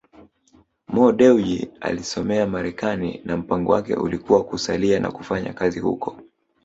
Mo Dewji alisomea Marekani na mpango wake ulikuwa kusalia na kufanya kazi huko